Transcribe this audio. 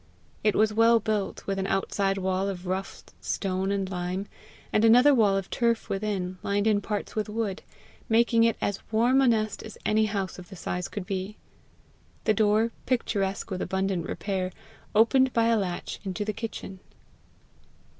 It was well built, with an outside wall of rough stone and lime, and another wall of turf within, lined in parts with wood, making it as warm a nest as any house of the size could be. The door, picturesque with abundant repair, opened by a latch into the kitchen.